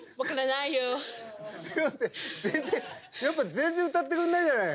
全然歌ってくれないじゃない！